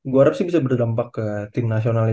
gue harap sih bisa berdampak ke tim nasionalnya